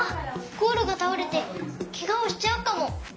ゴールがたおれてケガをしちゃうかも。